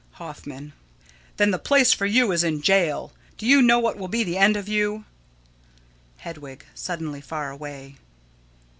Hoffman: Then the place for you is in jail. Do you know what will be the end of you? Hedwig: [_Suddenly far away.